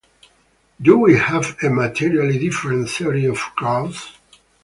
Do we have a materially different theory of growth?